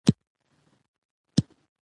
آب وهوا د افغانستان طبعي ثروت دی.